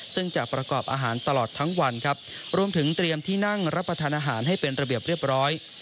ซึ่งจะประกอบอาหารตลอดทั้งวันครับรวมถึงเตรียมที่นั่งรับประทานอาหารให้เป็นระเบียบเรียบร้อย